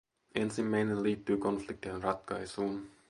Ensimmäinen liittyy konfliktien ratkaisuun.